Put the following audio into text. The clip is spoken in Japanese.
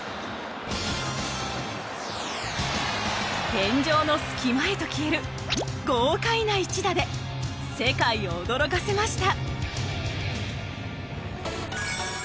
天井の隙間へと消える豪快な一打で世界を驚かせました。